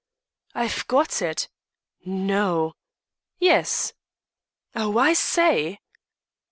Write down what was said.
"I've got it!" "No?" "Yes!" "Oh, I say!"